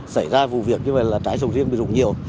xảy ra vụ việc như vậy là trái sầu riêng bị rụng nhiều